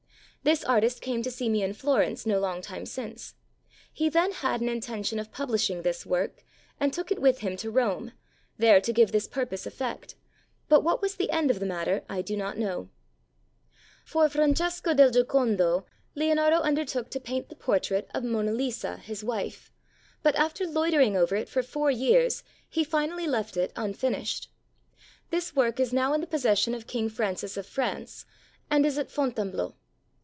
This artist came to see me in Florence no long time since; he then had an intention of publish ing this work, and took it with him to Rome, there to give this purpose effect, but what was the end of the matter I do not know. ... For Francesco del Giocondo, Leonardo undertook to 90 STORIES OF LEONARDO DA VINCI paint the portrait of Mona Lisa, his wife, but, after loitering over it for four years, he finally left it un finished. This work is now in the possession of King Francis of France, and is at Fontainebleau.